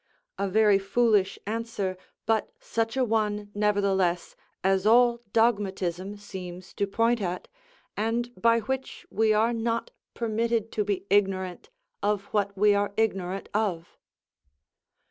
A very foolish answer; but such a one, nevertheless, as all dogmatism seems to point at, and by which we are not permitted to be ignorant of what we are ignorant of.